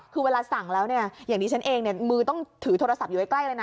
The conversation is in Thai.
คือเวลาสั่งแล้วเนี่ยอย่างนี้ฉันเองเนี่ยมือต้องถือโทรศัพท์อยู่ใกล้เลยนะ